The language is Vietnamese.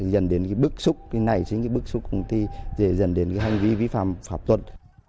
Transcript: dẫn đến bức xúc như thế này dẫn đến hành vi vi phạm pháp luận